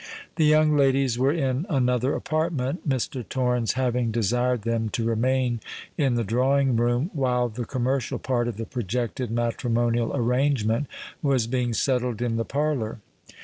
The young ladies were in another apartment, Mr. Torrens having desired them to remain in the drawing room while the commercial part of the projected matrimonial arrangement was being settled in the parlour.